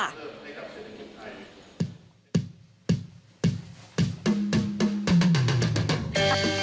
ถ้าคุณดูสินะครับสิริม่วะค่ะ